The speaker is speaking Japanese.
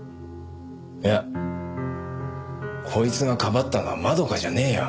いやこいつがかばったのは窓夏じゃねえよ。